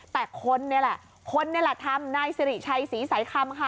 แต่คนนี่แหละคนนี่แหละทำนายสิริชัยศรีสายคำค่ะ